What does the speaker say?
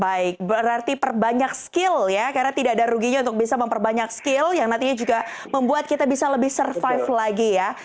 baik berarti perbanyak skill ya karena tidak ada ruginya untuk bisa memperbanyak skill yang nantinya juga membuat kita bisa lebih survive lagi ya